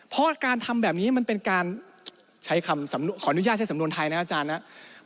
เพราะการทำแบบนี้มันเป็นการใช้คำขออนุญาตใช้สำนวนไทยนะครับอาจารย์นะครับ